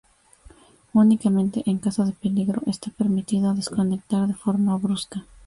Únicamente en caso de peligro está permitido desconectar de forma brusca.